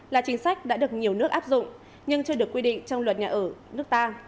là chính sách đã được nhiều nước áp dụng nhưng chưa được quy định trong luật nhà ở nước ta